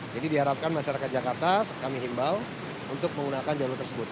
jadi diharapkan masyarakat jakarta kami himbau untuk menggunakan jalur tersebut